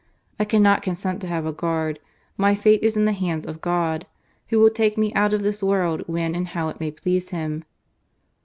I cannot consent to have a guard. My fate is in the hands of God, Who will take me out of this world when and how it may please Him."